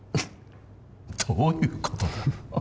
どういうことだ